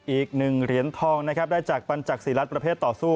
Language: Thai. อีกหนึ่งเหรียญทองได้จากปัญจักษ์สีลัดประเภทต่อสู้